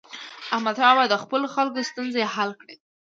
احمدشاه بابا د خپلو خلکو ستونزې حل کړي.